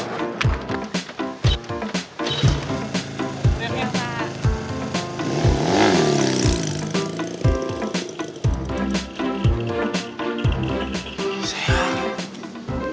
udah ya pak